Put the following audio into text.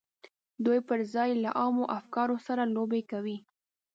دوی پر ځای یې له عامو افکارو سره لوبې کوي